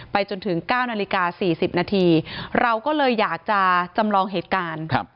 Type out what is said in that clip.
จนถึง๙นาฬิกา๔๐นาทีเราก็เลยอยากจะจำลองเหตุการณ์